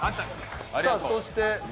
さぁそして。